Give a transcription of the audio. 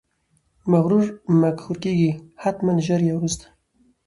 مغرور مقهور کیږي، حتمأ ژر یا وروسته!